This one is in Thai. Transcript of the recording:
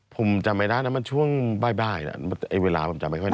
ผมจำไว้ได้นะมันช่วงบ้ายน่ะไอแต่เวลาผมจำไว้โค่ละ